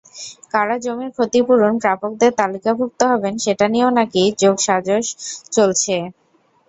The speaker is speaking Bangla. কারা জমির ক্ষতিপূরণ প্রাপকদের তালিকাভুক্ত হবেন, সেটা নিয়েও নাকি যোগসাজশ চলছে।